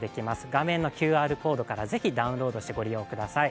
画面のＱＲコードから是非ダウンロードしてご利用ください。